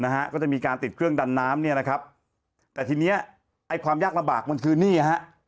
ที่มันก็จะมีการติดเครื่องดันน้ำนะครับแต่ทีนี้ไอความยากระบาดคือนี่นะฮะ